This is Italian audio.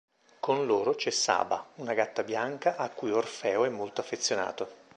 Con loro c'è Saba, una gatta bianca a cui Orfeo è molto affezionato.